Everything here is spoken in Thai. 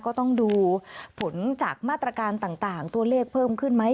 ก็ต้องดูผลจากมาตรการต่างตัวเลขเพิ่มขึ้นไหม